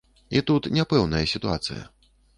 І тут няпэўная сітуацыя.